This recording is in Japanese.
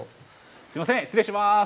すいません失礼します。